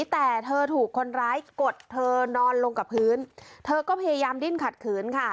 แต่เธอถูกคนร้ายกดเธอนอนลงกับพื้นเธอก็พยายามดิ้นขัดขืนค่ะ